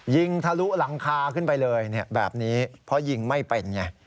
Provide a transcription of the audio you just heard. ทะลุหลังคาขึ้นไปเลยแบบนี้เพราะยิงไม่เป็นไง